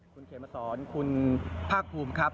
คุณเขมสอนคุณภาคภูมิครับ